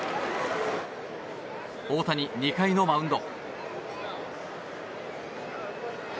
大谷、２回のマウンド。